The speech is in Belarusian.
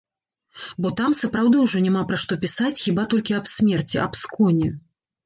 Бо там сапраўды ўжо няма пра што пісаць, хіба толькі аб смерці, аб сконе.